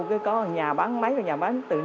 cứ có nhà bán máy và nhà bán tự